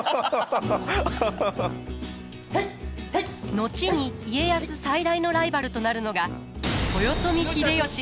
後に家康最大のライバルとなるのが豊臣秀吉。